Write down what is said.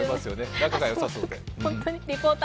仲がよさそうで。